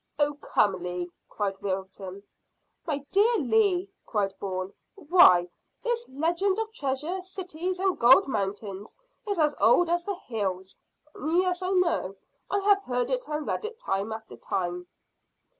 "Oh, come, Lee," cried Wilton. "My dear Lee," cried Bourne. "Why, this legend of treasure cities and golden mountains is as old as the hills." "Yes, I know. I have heard it and read it time after time."